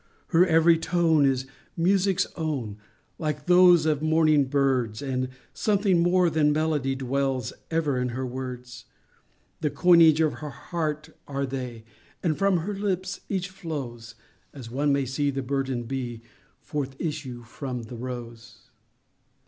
Her every tone is music's own, Like those of morning birds, And something more than melody Dwells ever in her words; The coinage of her heart are they, And from her lips each flows As one may see the burden'd bee Forth issue from the rose.